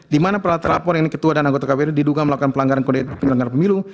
di mana perlatar lapor yang ini ketua dan anggota kprd diduga melakukan pelanggaran pemilu